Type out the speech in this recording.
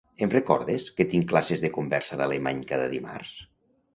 Em recordes que tinc classes de conversa d'alemany cada dimarts?